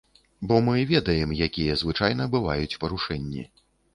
Бо мы ведаем, якія звычайна бываюць парушэнні.